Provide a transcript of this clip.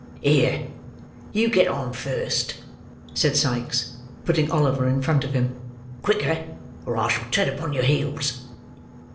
"Here! you get on first," said Sikes, putting Oliver in front of him. "Quicker! or I shall tread upon your heels."